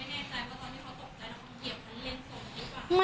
ไม่แน่ใจว่าตอนนี้พอปกติหยีบคันเล่นส่วนดีกว่า